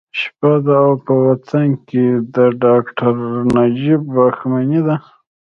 شپه ده او په وطن کې د ډاکټر نجیب واکمني ده